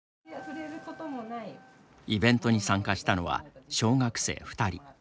イベントに参加したのは小学生２人。